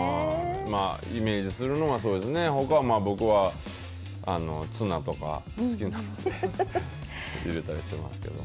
イメージするのはそうですね、ほかは僕はツナとか好きなんで入れたりしますけど。